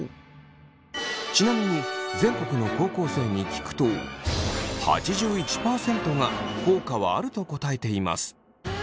ちなみに全国の高校生に聞くと８１％が「効果はある」と答えています。